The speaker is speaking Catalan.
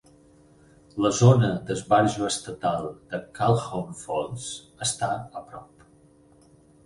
La zona d'esbarjo estatal de Calhoun Falls està a prop.